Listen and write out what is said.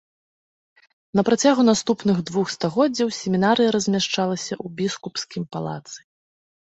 На працягу наступных двух стагоддзяў семінарыя размяшчалася ў біскупскім палацы.